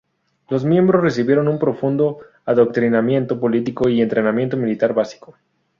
Los miembros recibieron un profundo adoctrinamiento político y entrenamiento militar básico.